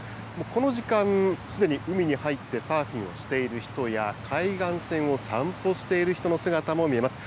この時間、すでに海に入ってサーフィンをしている人や、海岸線を散歩している人の姿も見えます。